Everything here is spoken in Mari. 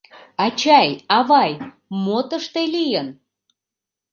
Ачай, авай, мо тыште лийын?